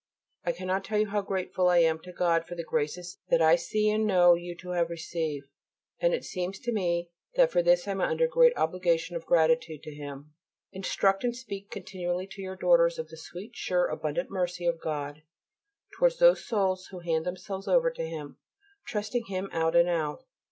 I cannot tell you how grateful I feel to God for the graces that I see and know you to have received, and it seems to me that for this I am under a great obligation of gratitude to Him. Instruct, and speak continually to your daughters of the sweet, sure, abundant mercy of God towards those souls who hand themselves over to Him, trusting Him out and out.